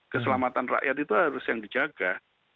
keselamatan rakyat itu harus yang dijaga